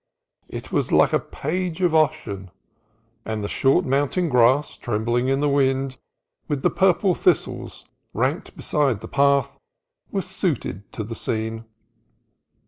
It was like a page of Ossian, FOG AND ROUGH TRAIL 137 and the short mountain grass trembling in the wind, with the purple thistles ranked beside the path, were suited to the scene.